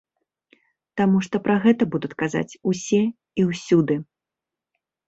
Таму што пра гэта будуць казаць усе і ўсюды.